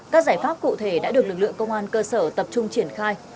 các giải pháp cụ thể đã được lực lượng công an cơ sở tập trung triển khai